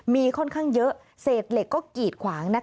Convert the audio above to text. มีค่อนข้างเยอะเศษเหล็กก็กีดขวาง